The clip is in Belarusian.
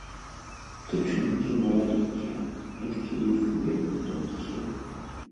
Тычынкі малалікія, ніткі іх вельмі тонкія.